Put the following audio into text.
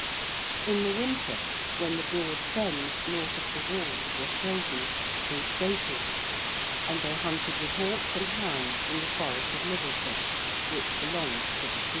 In the winter, when the broad fens north of the walls were frozen, they skated. And they hunted with hawk and hound in the Forest of Middlesex, which belonged to the City.